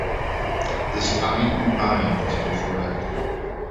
The spine or bind is also red.